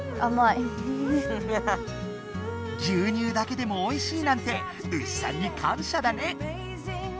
牛乳だけでもおいしいなんて牛さんにかんしゃだね！